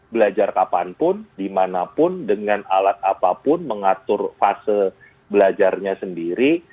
belajar kapanpun dimanapun dengan alat apapun mengatur fase belajarnya sendiri